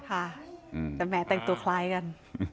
แต่แหมแต่งตัวคล้ายกัน